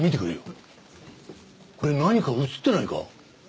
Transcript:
これ何か写ってないか？